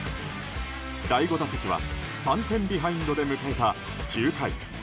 第５打席は３点ビハインドで迎えた９回。